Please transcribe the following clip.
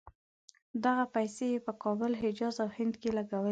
دغه پیسې یې په کابل، حجاز او هند کې لګولې.